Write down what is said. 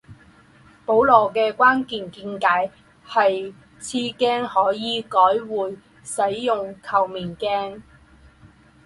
保罗的关键见解是次镜可以改回使用球面镜。